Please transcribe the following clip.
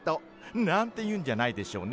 なんて言うんじゃないでしょうね。